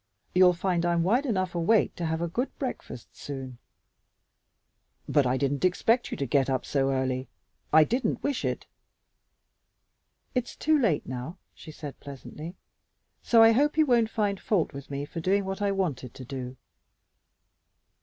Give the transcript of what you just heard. You'll find I'm wide enough awake to have a good breakfast soon." "But I didn't expect you to get up so early. I didn't wish it." "It's too late now," she said pleasantly, "so I hope you won't find fault with me for doing what I wanted to do."